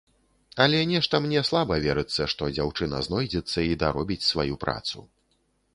Але нешта мне слаба верыцца, што дзяўчына знойдзецца і даробіць сваю працу.